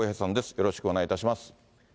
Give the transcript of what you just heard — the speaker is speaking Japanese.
よろしくお願いします。